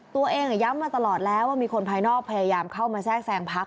ย้ำมาตลอดแล้วว่ามีคนภายนอกพยายามเข้ามาแทรกแซงพัก